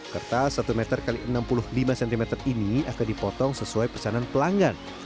kertas satu meter x enam puluh lima cm ini akan dipotong sesuai pesanan pelanggan